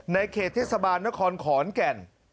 เขตเทศบาลนครขอนแก่น